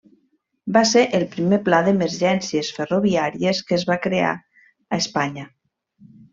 Va ser el primer pla d'emergències ferroviàries que es va crear a Espanya.